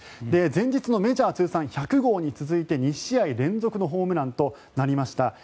前日のメジャー通算１００号に続いて２試合連続のホームランとなりました。